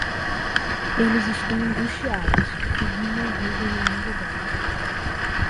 Eles estão angustiados, o filhinho não vive em nenhum lugar.